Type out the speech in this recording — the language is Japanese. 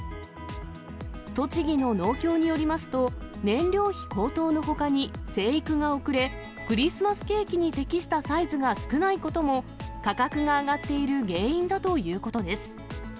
栃木の農協によりますと、燃料費高騰のほかに、生育が遅れ、クリスマスケーキに適したサイズが少ないことも、価格が上がっている原因だということです。